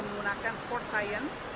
menggunakan sport science